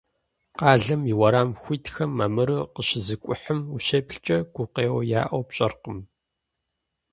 Къалэм и уэрам хуитхэм мамыру къыщызыкӏухьэм ущеплъкӏэ, гукъеуэ яӏэу пщӏэркъым.